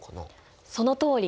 そのとおり。